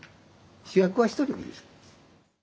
主役は一人でいい。